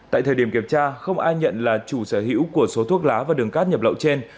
tại thời điểm kiểm tra không ai nhận là chủ sở hữu của số thuốc lá và đường cát nhập lậu trên